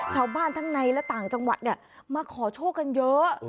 ชาวบ้านทั้งในและต่างจังหวัดเนี่ยมาขอโชคกันเยอะ